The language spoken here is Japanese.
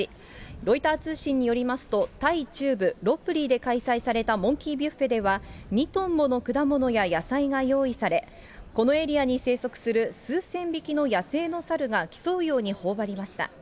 ロイター通信によりますと、タイ中部ロッブリーで開催されたモンキービュッフェでは、２トンもの果物や野菜が用意され、このエリアに生息する数千匹の野生のサルが競うようにほおばりました。